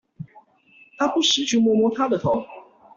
他不時去摸摸她的頭